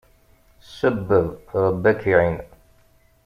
Sebbeb, Rebbi ad k-iεin.